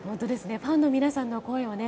ファンの皆さんの声をね。